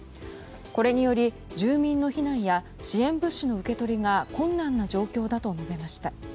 これにより住民の避難や支援物資の受け取りが困難な状況だと述べました。